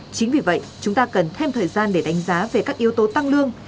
chính vì vậy chúng ta cần thêm thời gian để đánh giá về các yếu tố tăng lương